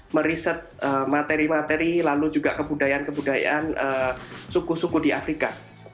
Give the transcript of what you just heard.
meriset materi materi lalu juga kebudayaan kebudayaan suku suku di afrika